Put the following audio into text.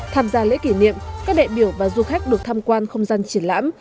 tham gia lễ kỷ niệm các đại biểu và du khách được tham quan không gian triển lãm